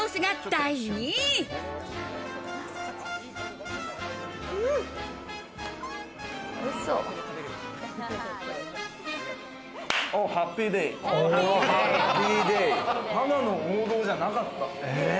ただの王道じゃなかった。